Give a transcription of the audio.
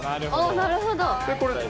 なるほど。